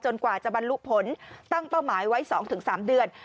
กว่าจะบรรลุผลตั้งเป้าหมายไว้๒๓เดือน